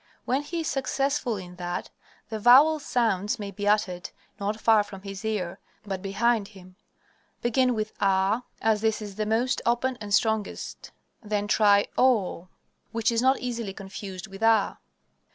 When he is successful in that, the vowel sounds may be uttered not far from his ear, but behind him. Begin with "ah" (ä), as this is the most open and strongest; then try "oh" (o with macron), which is not easily confused with ä.